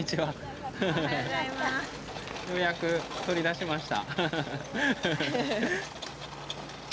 ようやくとりだしました。